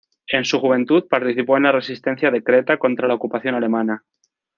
En su juventud, participó en la resistencia de Creta contra la ocupación alemana.